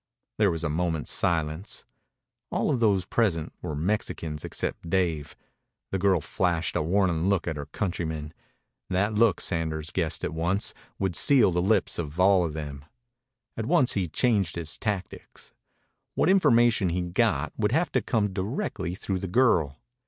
There was a moment's silence. All of those present were Mexicans except Dave. The girl flashed a warning look at her countrymen. That look, Sanders guessed at once, would seal the lips of all of them. At once he changed his tactics. What information he got would have to come directly through the girl.